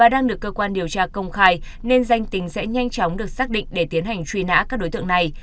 đang được cơ quan điều tra công khai nên danh tính sẽ nhanh chóng được xác định để tiến hành truy nã các đối tượng này